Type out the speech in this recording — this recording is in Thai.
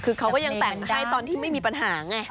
คือเขาก็ยังแต่งให้ตอนที่ไม่มีปัญหาไง